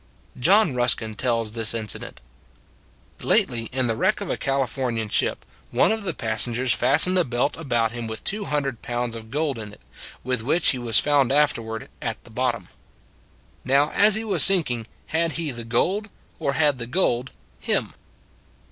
John Ruskin tells this incident: " Lately, in the wreck of a Californian ship, one of the passengers fastened a belt about him with two hundred pounds of gold in it, with which he was found after ward at the bottom. Now, as he was sink ing, had he the gold, or had the gold him"?